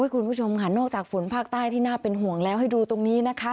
คุณผู้ชมค่ะนอกจากฝนภาคใต้ที่น่าเป็นห่วงแล้วให้ดูตรงนี้นะคะ